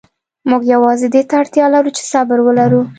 موږ یوازې دې ته اړتیا لرو چې صبر ولرو.